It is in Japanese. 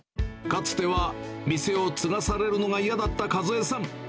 かつては店を継がされるのが嫌だった和枝さん。